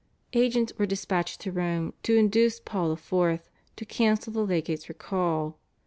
Agents were dispatched to Rome to induce Paul IV. to cancel the legate's recall.